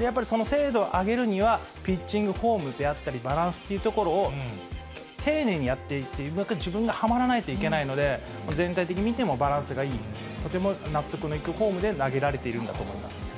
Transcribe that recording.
やっぱりその精度を上げるには、ピッチングフォームであったり、バランスというところを、丁寧にやっていって、自分がはまらないといけないので、全体的に見ても、バランスがいい、とても納得のいくフォームで投げられているんだと思います。